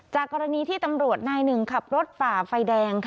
จากกรณีที่ตำรวจนาย๑ขับรถป่าฟัยแดง